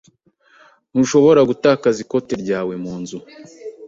Ntushobora gutakaza ikote ryawe mu nzu.